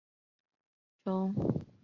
中麝鼩为鼩鼱科麝鼩属的动物。